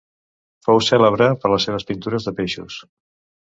Fou cèlebre per les seves pintures de peixos.